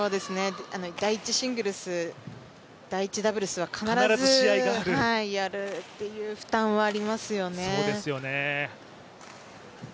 第１シングルス、第１ダブルスは必ずやるという負担はありますよね。